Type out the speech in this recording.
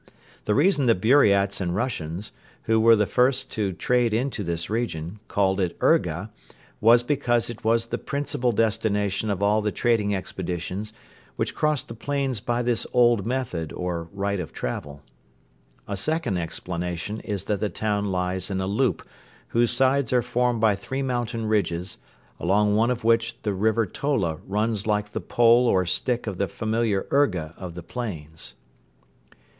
The reason the Buriats and Russians, who were the first to trade into this region, called it Urga was because it was the principal destination of all the trading expeditions which crossed the plains by this old method or right of travel. A second explanation is that the town lies in a "loop" whose sides are formed by three mountain ridges, along one of which the River Tola runs like the pole or stick of the familiar urga of the plains.